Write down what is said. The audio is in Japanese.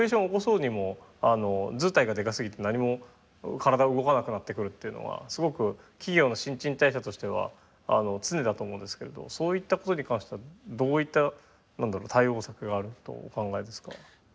起こそうにもずうたいがでかすぎて何も体動かなくなってくるっていうのはすごく企業の新陳代謝としては常だと思うんですけれどそういったことに関してはどういった対応策があるとお考えですか？